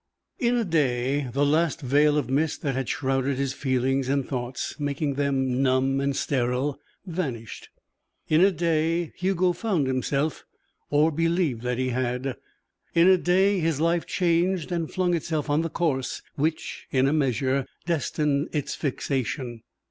XI In a day the last veil of mist that had shrouded his feelings and thoughts, making them numb and sterile, vanished; in a day Hugo found himself or believed that he had; in a day his life changed and flung itself on the course which, in a measure, destined its fixation.